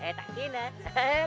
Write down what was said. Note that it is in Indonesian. eh tak kena